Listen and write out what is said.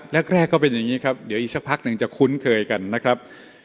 แรกก็เป็นอย่างนี้ครับเดี๋ยวอีกสักพักหนึ่งจะคุ้นเคยกันนะครับ